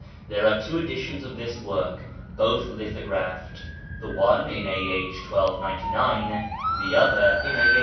(There are two editions of this work, both lithographed ; the one in a.h. 1299, the other in a.